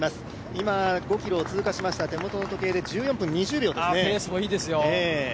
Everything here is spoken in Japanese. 今、５ｋｍを通過しました、１４分２０秒ですね。